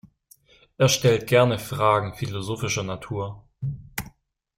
Er stellt gerne Fragen philosophischer Natur.